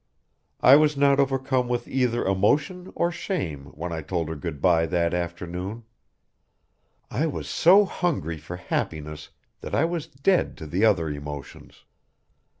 I was not overcome with either emotion or shame when I told her good bye that afternoon. I was so hungry for happiness that I was dead to the other emotions.